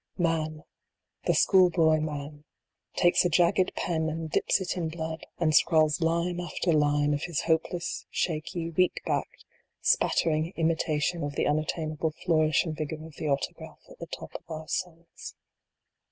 Man the school boy Man takes a jagged pen and dips it in blood, and scrawls line after line of his hopeless, shaky, weak backed, spattering imitation of the unattain able flourish and vigor of the autograph at the top of our souls.